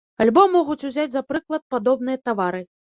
Альбо могуць узяць за прыклад падобныя тавары.